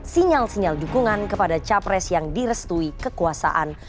sinyal sinyal dukungan kepada capres yang direstui kekuasaan